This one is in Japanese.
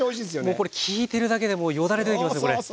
もうこれ聞いてるだけでもうよだれ出てきますよこれ。